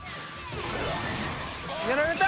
やられた！